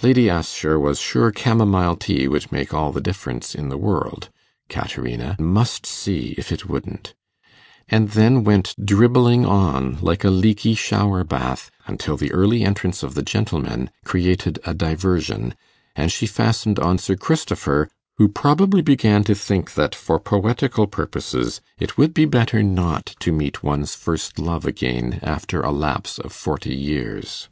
Lady Assher was sure camomile tea would make all the difference in the world Caterina must see if it wouldn't and then went dribbling on like a leaky shower bath, until the early entrance of the gentlemen created a diversion, and she fastened on Sir Christopher, who probably began to think that, for poetical purposes, it would be better not to meet one's first love again, after a lapse of forty years.